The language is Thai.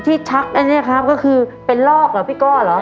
ที่จะชักที่นี้ก็คือเป็นลอกอะไรพี่ก้ออะไรหรอ